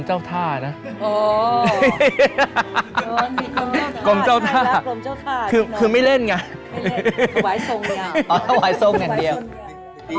ชั้นได้ใช่ไหมละไม่ยอมรับ